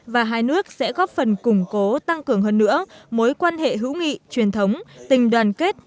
và hai nước sẽ góp phần củng cố tăng cường hơn nữa mối quan hệ hữu nghị truyền thống tình đoàn kết